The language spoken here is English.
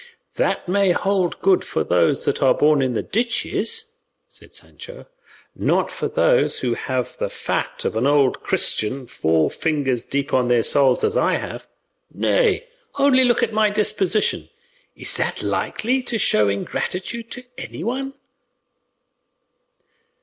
"That may hold good of those that are born in the ditches," said Sancho, "not of those who have the fat of an old Christian four fingers deep on their souls, as I have. Nay, only look at my disposition, is that likely to show ingratitude to anyone?"